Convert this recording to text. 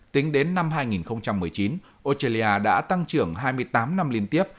tính đến năm hai nghìn một mươi chín australia đã tăng trưởng hai mươi tám năm liên tiếp